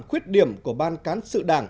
quyết điểm của ban cán sự đảng